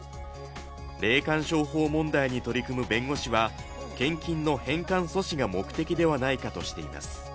霊感商法問題に取り組む弁護士は、献金の返還阻止が目的ではないかとしています。